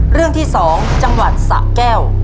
เรื่องที่๒จังหวัดสะแก้ว